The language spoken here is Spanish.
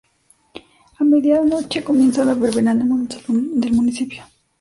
A medianoche comienza la verbena en el salón del municipio.